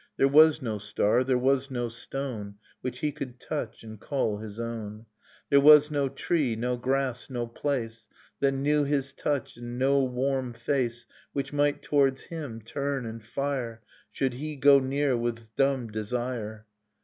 There was no star, there was no stone, Which he could touch and call his own ; There was no tree, no grass, no place. That knew his touch, and no warm face Which might towards him turn and fire Should he go near witli dumb desire.